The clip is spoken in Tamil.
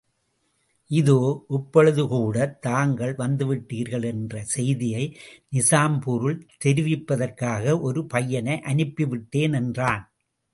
இதோ, இப்பொழுது கூடத்தாங்கள் வந்துவிட்டீர்கள் என்ற செய்தியை, நிசாம்பூரில் தெரிவிப்பதற்காக ஒரு பையனை அனுப்பிவிட்டேன் என்றான்.